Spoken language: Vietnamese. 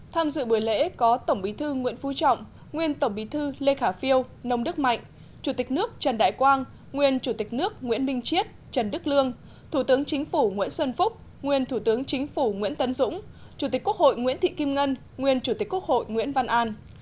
tham dự buổi lễ có tổng bí thư nguyễn phú trọng nguyên tổng bí thư lê khả phiêu nông đức mạnh chủ tịch nước trần đại quang nguyên chủ tịch nước nguyễn minh chiết trần đức lương thủ tướng chính phủ nguyễn xuân phúc nguyên thủ tướng chính phủ nguyễn tấn dũng chủ tịch quốc hội nguyễn thị kim ngân nguyên chủ tịch quốc hội nguyễn văn an